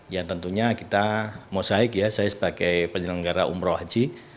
ya tentunya kita mosaik ya saya sebagai penyelenggara umroh haji